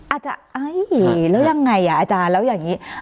อาจจะแล้วยังไงอ่ะอาจารย์แล้วอย่างนี้